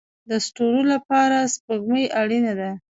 د ستورو لپاره سپوږمۍ اړین ده